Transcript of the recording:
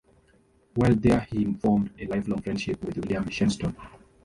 While there he formed a lifelong friendship with William Shenstone.